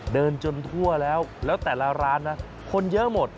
เดินจนทั่วแล้วแล้วแต่ละร้านนะคนเยอะหมด